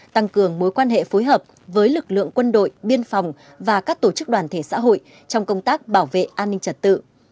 tăng cường mối quan hệ phối hợp với lực lượng quân đội biên phòng và các tổ chức đoàn thể xã hội trong công tác bảo vệ an ninh trật tự